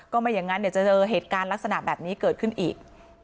ไม่อย่างนั้นเดี๋ยวจะเจอเหตุการณ์ลักษณะแบบนี้เกิดขึ้นอีก